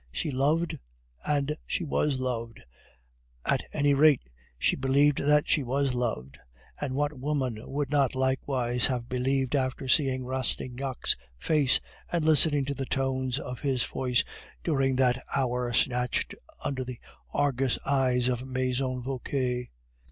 She loved and she was loved; at any rate, she believed that she was loved; and what woman would not likewise have believed after seeing Rastignac's face and listening to the tones of his voice during that hour snatched under the Argus eyes of the Maison Vauquer?